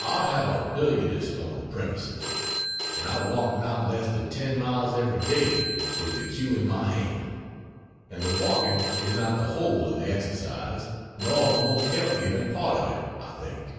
I have a billiardist on the premises, and I walk not less than ten miles every day with the cue in my hand. And the walking is not the whole of the exercise, nor the most health giving part of it, I think.